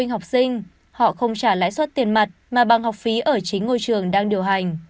họ không trả lãi suất tiền mặt mà băng học phí ở chính ngôi trường đang điều hành